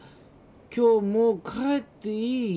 今日もう帰っていい？